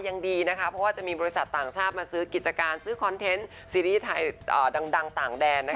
ยังดีนะคะเพราะว่าจะมีบริษัทต่างชาติมาซื้อกิจการซื้อคอนเทนต์ซีรีส์ไทยดังต่างแดน